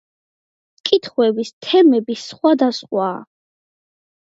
კითხვების თემები სხვადასხვაა.